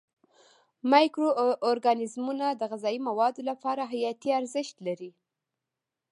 مایکرو ارګانیزمونه د غذایي موادو لپاره حیاتي ارزښت لري.